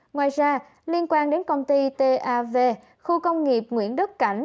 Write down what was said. ngoài ra liên quan đến công ty tav khu công nghiệp nguyễn đức cảnh